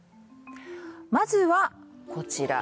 まずはこちら。